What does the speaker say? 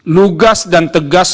lugas dan tegas